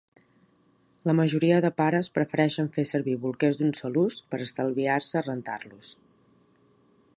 La majoria de pares prefereixen fer servir bolquers d'un sol ús, per estalviar-se rentar-los